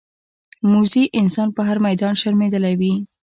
موزي انسان په هر میدان شرمېدلی وي.